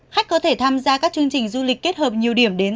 khách có thể tham gia các chương trình du lịch kết hợp nhiều điểm đến